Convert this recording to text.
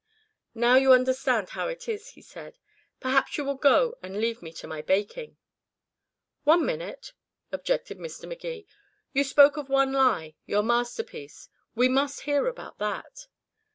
"Now you understand how it is," he said. "Perhaps you will go and leave me to my baking." "One minute," objected Mr. Magee. "You spoke of one lie your masterpiece. We must hear about that."